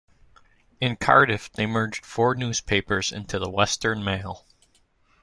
In Cardiff they merged four newspapers into the "Western Mail".